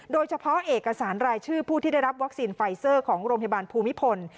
โดยเฉพาะเอกสารรายชื่อผู้ที่ได้รับวัคซีนไฟเซอร์ของโรงพยาบาลภูมิพล